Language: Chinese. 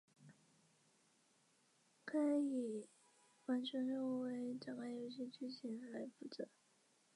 改为以完成任务与展开游戏剧情来负责。